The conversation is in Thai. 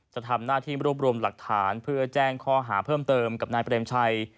จะทำหน้าที่รวบรวมหลักฐานเพื่อแจ้งข้อหาเพิ่มเติมกับนายเปรมชัย